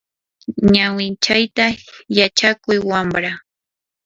ñawinchayta yachakuy wamra.